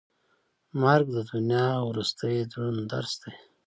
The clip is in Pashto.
مرګ د دنیا وروستی دروند درس دی.